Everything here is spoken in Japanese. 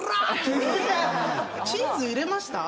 チーズ入れました？